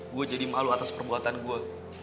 gue jadi malu atas perbuatan gue